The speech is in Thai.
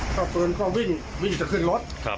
เข้าปืนก็วิ่งวิ่งจะขึ้นรถ